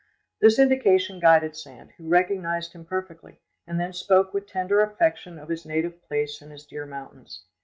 This indication guided Sand, who recognised him perfectly, and then spoke with tender affection of his native place and his dear mountains.